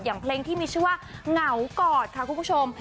เพลงที่มีชื่อว่าเหงากอดค่ะคุณผู้ชม